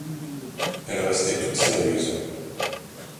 Elle restait toute sérieuse.